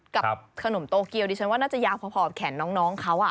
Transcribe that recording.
กับขนมโตเกียวดิฉันว่าน่าจะยาวพอหอบแขนน้องเขา